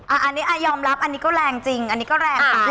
อันนี้ยอมรับอันนี้ก็แรงจริงอันนี้ก็แรงไป